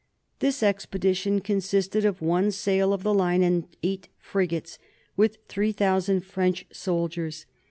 This expedition consisted of one sail of the line and eight frigates, with 3000 French soldiers.